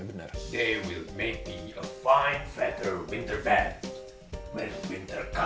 mereka akan menjadi bantuan musim musim yang lebih baik